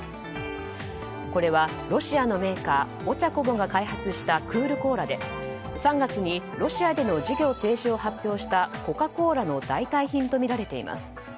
これはロシアのメーカーオチャコボが開発したクール・コーラで３月にロシアでの事業停止を発表したコカ・コーラの代替品とみられています。